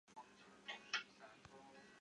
长期在杨宝森剧团做副生。